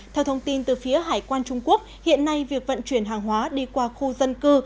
theo thông tin từ phía hải quan trung quốc hiện nay việc vận chuyển hàng hóa đi qua khu dân cư